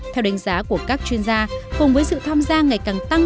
theo đánh giá của các chuyên gia cùng với sự tham gia ngày càng tăng